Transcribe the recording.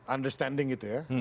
understanding gitu ya